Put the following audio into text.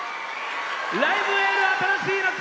「ライブ・エール新しい夏」